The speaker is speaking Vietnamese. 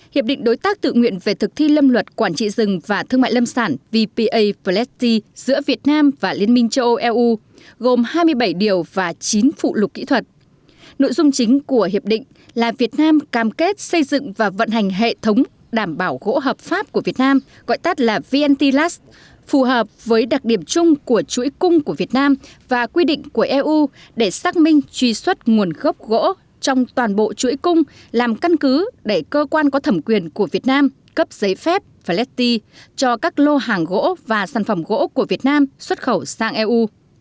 hiệp định đối tác tự nguyện về thực thi lâm luật quản trị rừng và thương mại lâm sản vpa pletty giữa việt nam và liên minh châu âu eu là hợp với đặc điểm chung của chuỗi cung của việt nam và quy định của eu để xác minh truy xuất nguồn gốc gỗ trong toàn bộ chuỗi cung làm căn cứ để cơ quan có thẩm quyền của việt nam cấp giấy phép petty cho các lô hàng gỗ và sản phẩm gỗ của việt nam xuất khẩu sang eu